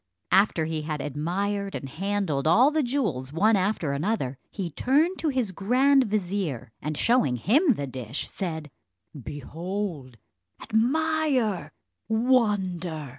After he had admired and handled all the jewels one after another, he turned to his grand vizier, and showing him the dish, said, "Behold, admire, wonder!